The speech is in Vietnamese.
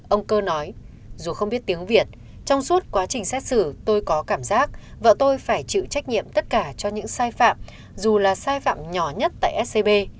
ông cơ nói dù không biết tiếng việt trong suốt quá trình xét xử tôi có cảm giác vợ tôi phải chịu trách nhiệm tất cả cho những sai phạm dù là sai phạm nhỏ nhất tại scb